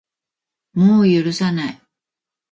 もう許さない